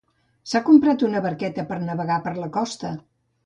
S'ha comprat una barqueta per navegar per la costa.